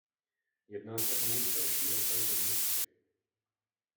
Jedná se o nejstarší hotel ve městě.